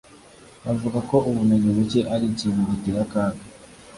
bavuga ko ubumenyi buke ari ikintu giteye akaga